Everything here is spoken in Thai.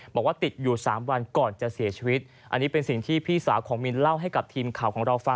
บอกว่าติดอยู่๓วันก่อนจะเสียชีวิตอันนี้เป็นสิ่งที่พี่สาวของมินเล่าให้กับทีมข่าวของเราฟัง